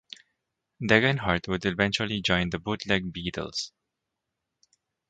Degenhardt would eventually join The Bootleg Beatles.